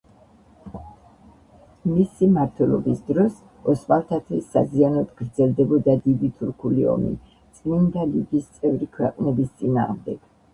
მისი მმართველობის დროს ოსმალთათვის საზიანოდ გრძელდებოდა დიდი თურქული ომი წმინდა ლიგის წევრი ქვეყნების წინააღმდეგ.